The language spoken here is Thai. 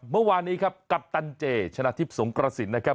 เมื่อวานนี้ครับกัปตันเจชนะทิพย์สงกระสินนะครับ